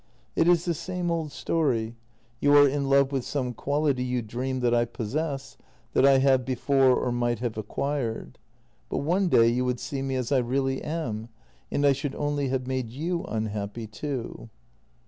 It is the same old story: you are in love with some quality you dream that I possess — that I have before or might have ac quired. But one day you would see me as I really am, and I should only have made you unhappy too."